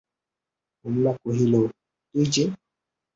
কমলা কহিল, তুই যে!